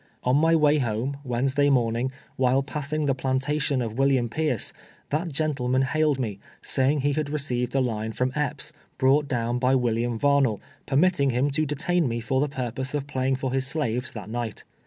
On my way home, Wednesday morning, while i)assing the jdantation of William Pierce, that gentleman hailed me, saying he had received a line from Epps, brought down by William Varnell, per mitting him to detain me f(^r the pui jDOse of playing for his slaves that night.